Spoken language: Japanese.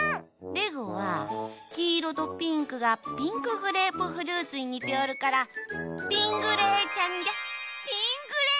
レグはきいろとピンクがピンクグレープフルーツににておるからピングレーちゃんか。